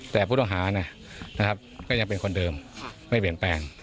แต่ผู้ต้องหานะครับก็ยังเป็นคนเดิมไม่เปลี่ยนแปลง